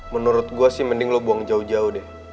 menurut gue sih mending lo buang jauh jauh deh